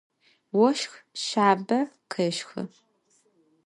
Voşx şsabe khêşxı.